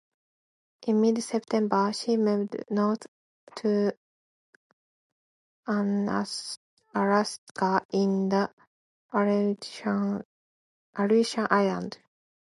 In mid-September, she moved north to Unalaska in the Aleutian Islands.